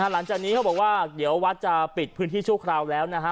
หลังจากนี้เขาบอกว่าเดี๋ยววัดจะปิดพื้นที่ชั่วคราวแล้วนะฮะ